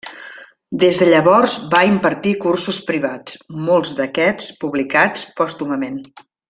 Des de llavors, va impartir cursos privats, molts d'aquests publicats pòstumament.